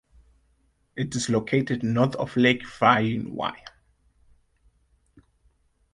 It is located north of Lake Vyrnwy.